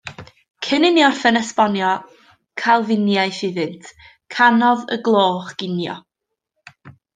Cyn i ni orffen esbonio Calfiniaeth iddynt, canodd y gloch ginio.